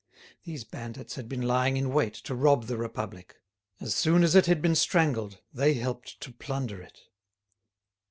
These bandits had been lying in wait to rob the Republic; as soon as it had been strangled, they helped to plunder it.